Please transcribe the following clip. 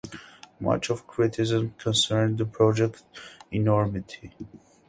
Much of criticism concerned the project’s enormity.